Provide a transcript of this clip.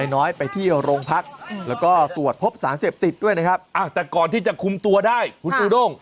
น้อยไปที่โรงพักแล้วก็ตรวจพบสารเสพติดด้วยนะครับแต่ก่อนที่จะคุมตัวได้คุณจูด้ง